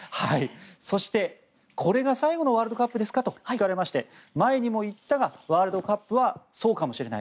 そして、これが最後のワールドカップですか？と聞かれまして、前にも言ったがワールドカップはそうかもしれない。